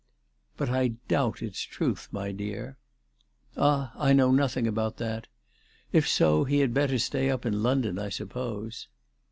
" But I doubt its truth, my dear." "Ah! I know nothing about that. If so he had better stay up in London, I suppose."